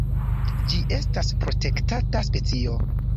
Ĝi estas protektata specio.